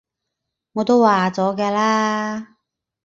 我都話咗嘅啦